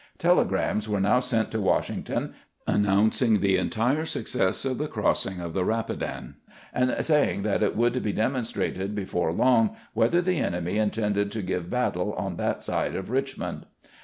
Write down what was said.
Telegrams were now sent to Washington announcing the entire success of the crossing of the Eapidan, and saying that it would be demonstrated before long whether the enemy in tended to give battle on that side of Richmond.